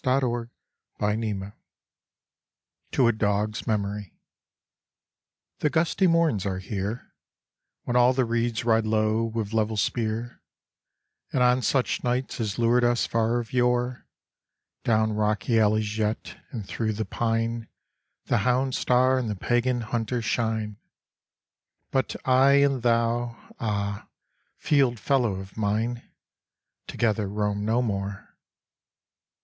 To a Dog's Memory THE gusty morns are here, When all the reeds ride low with level spear; And on such nights as lured us far of yore, Down rocky alleys yet, and thro' the pine, The Hound star and the pagan Hunter shine: But I and thou, ah, field fellow of mine, Together roam no more.